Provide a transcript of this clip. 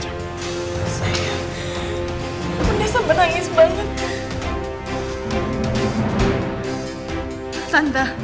saya benar benar menangis banget